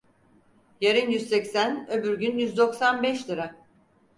Yarın yüz seksen öbür gün yüz doksan beş lira.